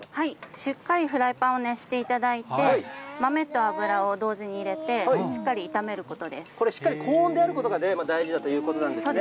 しっかりフライパンを熱していただきまして、豆と油を同時に入れて、しっかり高温であることが大事だということですね。